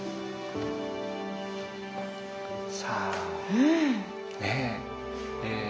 さあねえ。